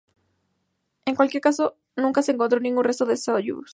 En cualquier caso nunca se encontró ningún resto de la Soyuz.